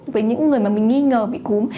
với những người mà mình nghi ngờ bị cúm